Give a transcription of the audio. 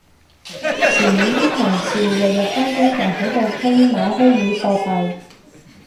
前年啲同事日日返工就喺度傾買虛擬貨幣